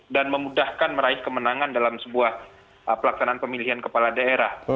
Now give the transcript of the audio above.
dan memudahkan meraih kemenangan dalam sebuah pelaksanaan pemilihan kepala daerah